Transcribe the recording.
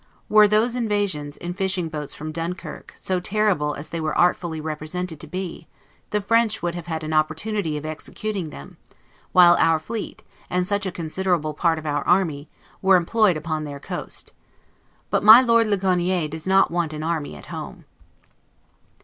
Were those invasions, in fishing boats from Dunkirk, so terrible as they were artfully represented to be, the French would have had an opportunity of executing them, while our fleet, and such a considerable part of our army, were employed upon their coast. BUT MY LORD LIGONIER DOES NOT WANT AN ARMY AT HOME.